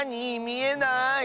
みえない。